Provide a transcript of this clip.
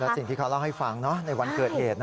สิ่งที่เขาเล่าให้ฟังในวันเกิดเหตุ